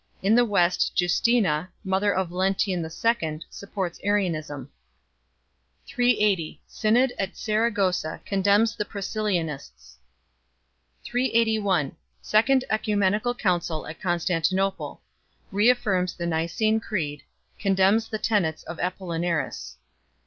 In the West Justina, mother of Valentinian II., supports Arianism. 380 Synod at Saragossa condemns the Priscillianists. 381 Second (Ecumenical Council at Constantinople ; re affirms the Nicene Creed ; condemns the tenets of Apollinaris.